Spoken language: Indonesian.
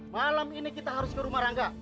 malam ini kita harus ke rumah rangga